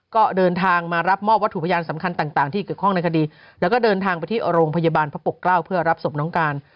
ก็เดินทางมารับมอบวัตถุพยานสำคัญต่างที่เกี่ยวข้องในคดีแล้วก็เดินทางไปที่โรงพยาบาลพระปกเกล้าเพื่อรับศพน้องการ